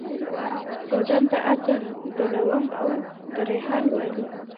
وځان ته عطر، د لونګ او دریحان واخلي